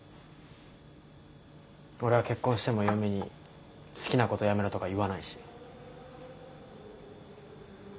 俺は結婚しても嫁に好きなことやめろとか言わないし。